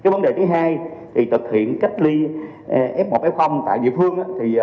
vấn đề thứ hai thực hiện cách ly f một f tại địa phương